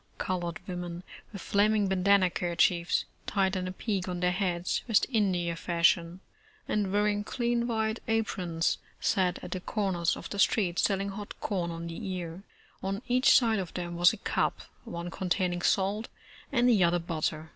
Colored women, with flaming bandanna kerchiefs, tied in a peak on their heads West India fashion, and wearing clean wiiite aprons, sat at 55 The Original John Jacob Astor the corners of the streets selling hot corn on the ear. On each side of them was a cup, one containing salt and the other butter.